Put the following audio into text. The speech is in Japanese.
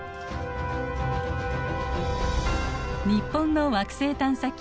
日本の惑星探査機